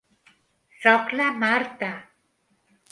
Soc la Marta.